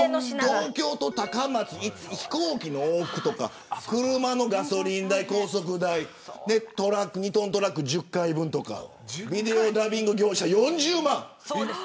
東京、高松の飛行機の往復とか車のガソリン代、高速代２トントラック１０回分とかビデオダビング業者４０万。